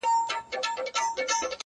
باد د غرونو له منځه راځي,